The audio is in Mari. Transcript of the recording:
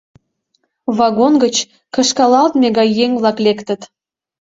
Вагон гыч кышкалалтме гай еҥ-влак лектыт.